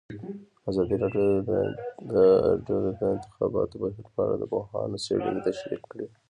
ازادي راډیو د د انتخاباتو بهیر په اړه د پوهانو څېړنې تشریح کړې.